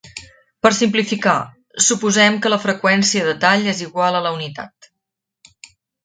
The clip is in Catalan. Per simplificar, suposem que la freqüència de tall és igual a la unitat.